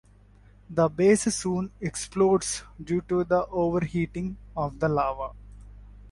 The base soon explodes due to the overheating of the lava.